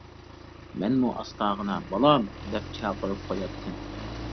مەنمۇ ئاستاغىنا «بالام» دەپ چاقىرىپ قوياتتىم.